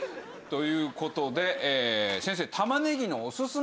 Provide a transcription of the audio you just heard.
という事で先生。